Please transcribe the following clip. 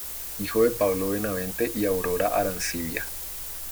Hijo de Pablo Benavente y Aurora Arancibia.